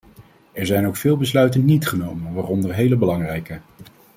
Er zijn ook veel besluiten niet genomen, waaronder hele belangrijke.